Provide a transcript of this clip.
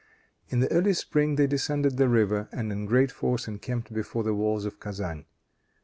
In the early spring they descended the river, and in great force encamped before the walls of Kezan.